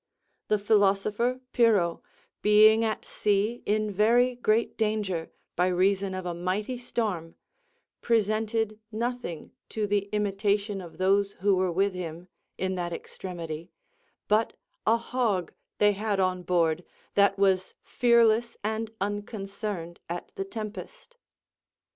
The philosopher Pyrrho, being at sea in very great danger, by reason of a mighty storm, presented nothing to the imitation of those who were with him, in that extremity, but a hog they had on board, that was fearless and unconcerned at the tempest.